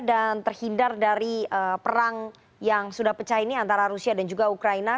dan terhindar dari perang yang sudah pecah ini antara rusia dan juga ukraina